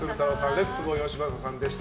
レッツゴーよしまささんでした。